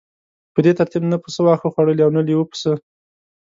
په دې ترتیب نه پسه واښه خوړلی او نه لیوه پسه.